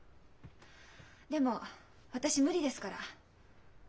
でも私無理ですから。